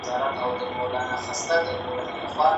زه په کور کې د یوې میاشتې راهیسې تمرین کوم.